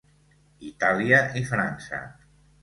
Itàlia i França.